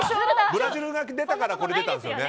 ブラジルが出たから出たんですよね。